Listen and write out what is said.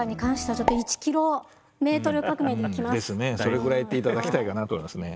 それぐらいいっていただきたいかなと思いますね。